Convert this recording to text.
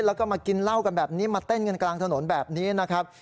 แล้วก็มากินเหล้ากันแบบนี้มาเต้นกันกลางถนนแบบนี้นะครับ